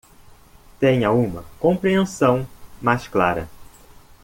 Tenha uma compreensão mais clara